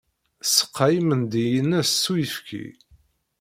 Tseqqa imendi-ines s uyefki.